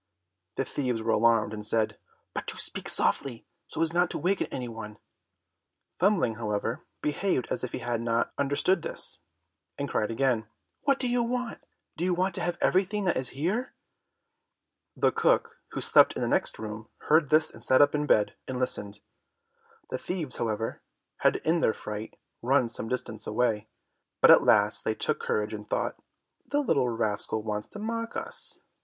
The thieves were alarmed, and said, "But do speak softly, so as not to waken any one!" Thumbling however, behaved as if he had not understood this, and cried again, "What do you want? Do you want to have everything that is here?" The cook, who slept in the next room, heard this and sat up in bed, and listened. The thieves, however, had in their fright run some distance away, but at last they took courage, and thought, "The little rascal wants to mock us."